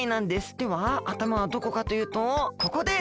ではあたまはどこかというとここです。